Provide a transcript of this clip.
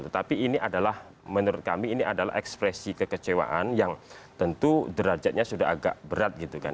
tetapi ini adalah menurut kami ini adalah ekspresi kekecewaan yang tentu derajatnya sudah agak berat gitu kan